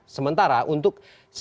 sementara untuk satu